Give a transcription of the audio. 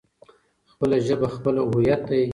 خپله ژبه خپله هويت دی.